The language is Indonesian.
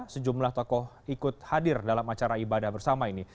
sejumlah tokoh ikut hadir dalam acara ibadah bersama ini